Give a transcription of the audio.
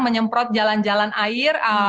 menyemprot jalan jalan air